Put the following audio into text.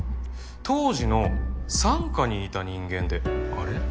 当時の三課にいた人間であれ？